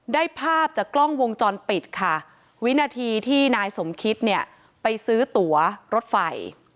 ได้ภาพจากกล้องวงจรปิดค่ะวินาทีที่นายสมคิดเนี่ยไปซื้อตัวรถไฟ